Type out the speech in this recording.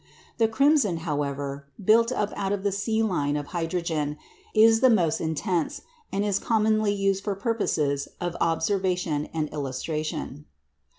The crimson, however (built up out of the C line of hydrogen), is the most intense, and is commonly used for purposes of observation and illustration.